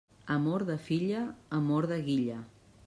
Amor de filla, amor de guilla.